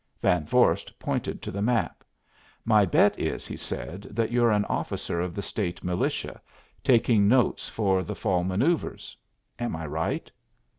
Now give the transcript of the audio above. Van Vorst pointed to the map. "My bet is," he said, "that you're an officer of the State militia, taking notes for the fall manoeuvres. Am I right?"